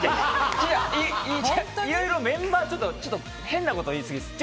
いろいろ、メンバーがちょっと変なことを言いすぎです。